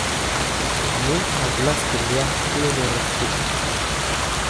Me a glask e-lec'h te ne rez ket.